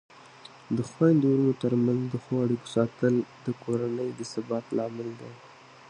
د خویندو ورونو ترمنځ د ښو اړیکو ساتل د کورنۍ د ثبات لامل دی.